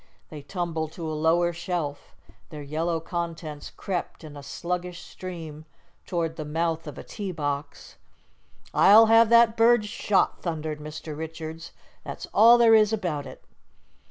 They tumbled to a lower shelf; their yellow contents crept in a sluggish stream toward the mouth of a tea box. "I'll have that bird shot!" thundered Mr. Richards. "That's all there is about it."